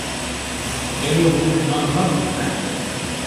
Gelo bûk nan nadin te